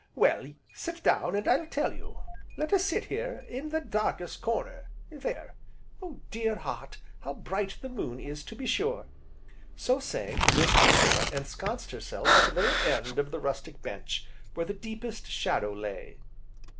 Well, sit down, and I'll tell you. Let us sit here, in the darkest corner, there. Dear heart! how bright the moon is to be sure." So saying, Miss Priscilla ensconced herself at the very end of the rustic bench, where the deepest shadow lay.